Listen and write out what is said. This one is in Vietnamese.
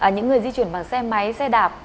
những người di chuyển bằng xe máy xe đạp